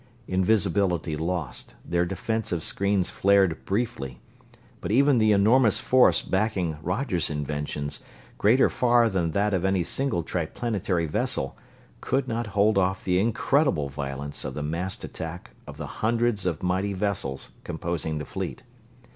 Invisibility lost, their defensive screens flared briefly; but even the enormous force backing Roger's inventions, greater far than that of any single Triplanetary vessel, could not hold off the incredible violence of the massed attack of the hundreds of mighty vessels composing the Fleet.